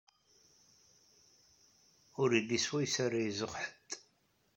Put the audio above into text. Ur yelli swayes ara izuxx ḥedd.